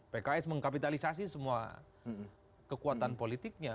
pks mengkapitalisasi semua kekuatan politiknya